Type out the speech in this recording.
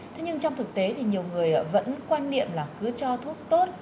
thế nhưng trong thực tế thì nhiều người vẫn quan niệm là cứ cho thuốc tốt